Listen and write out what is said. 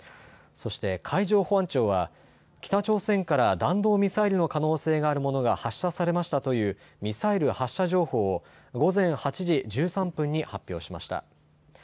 そして海上保安庁は北朝鮮から弾道ミサイルの可能性があるものが発射されましたというミサイル発射情報を午前８時１３分に発表しました。